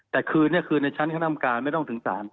แต่คือในชั้นอ่ำการไม่ต้องถึงสาร